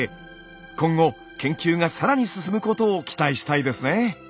今後研究が更に進むことを期待したいですね。